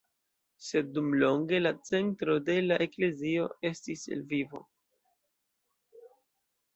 Sed dumlonge la centro de la eklezio estis Lvivo.